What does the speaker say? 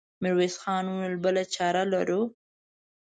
ميرويس خان وويل: بله چاره لرو؟